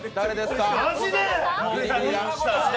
マジで！